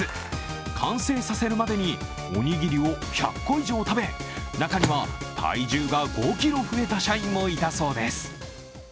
完成させるまでにおにぎりを１００個以上食べ、中には体重が５ｋｇ増えた社員もいたそうです。